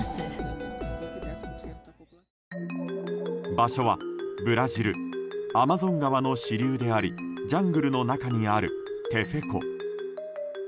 場所はブラジルアマゾン川の支流でありジャングルの中にあるテフェ湖。